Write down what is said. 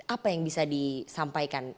apa yang bisa disampaikan